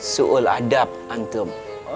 soal adab antum